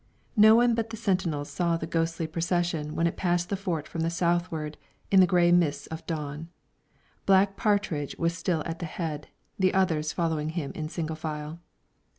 No one but the sentinels saw the ghostly procession when it passed the Fort from the southward, in the grey mists of dawn. Black Partridge was still at the head, the others following him in single file.